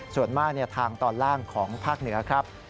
ส่วนมากทางตอนล่างของภาคเหนือครับ